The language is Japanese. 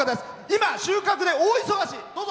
今、収穫で大忙し。